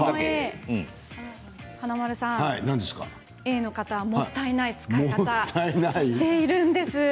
Ａの方はもったいない使い方をしています。